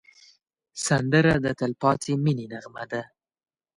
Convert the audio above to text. سندره د تل پاتې مینې نغمه ده